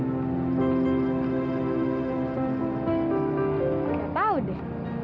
gak tau deh